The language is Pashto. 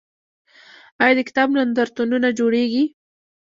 آیا د کتاب نندارتونونه جوړیږي؟